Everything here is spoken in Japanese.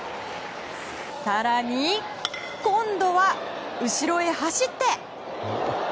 更に、今度は後ろへ走って。